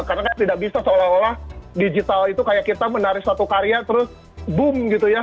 karena tidak bisa seolah olah digital itu kayak kita menari satu karya terus boom gitu ya